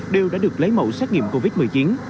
đều đã được lấy mẫu xét nghiệm covid một mươi chín